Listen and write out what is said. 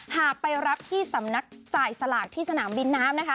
หากไปรับที่สำนักจ่ายสลากที่สนามบินน้ำนะคะ